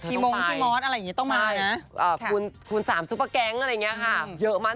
เธอต้องไปนะคุณสามซุปเปอร์แกงก์อะไรอย่างนี้เยอะมากจริงนะครับ